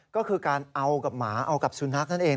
ก็คือการเอากับหมาเอากับสุนัขนั่นเอง